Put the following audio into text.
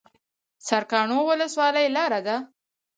سرکانو ولسوالۍ لاره ده؟